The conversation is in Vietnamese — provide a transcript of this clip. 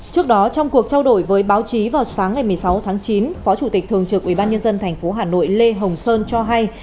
trước đó trong cuộc trao đổi với báo chí vào sáng ngày một mươi sáu tháng chín phó chủ tịch thường trực ubnd tp hà nội lê hồng sơn cho hay